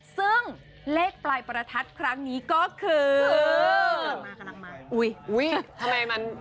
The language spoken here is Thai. ซึ่งเลขปลายประทัดครั้งนี้ก็คือ